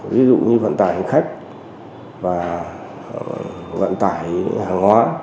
ví dụ như vận tải hành khách và vận tải hàng hóa